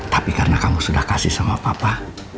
tapi karena kamu sudah kasih sama papa